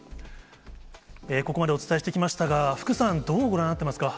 ここまでお伝えしてきましたが、福さん、どうご覧になってますか。